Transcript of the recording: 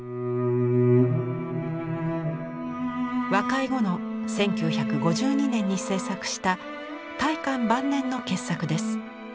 和解後の１９５２年に制作した大観晩年の傑作です。